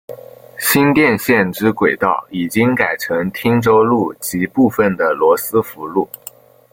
新店线之轨道已经改成汀州路及部分的罗斯福路。